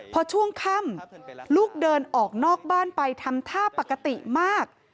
พอช่วงค่ำลูกเดินออกนอกบ้านไปทำท่าปกติมาก